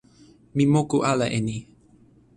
mi moku ala e ni.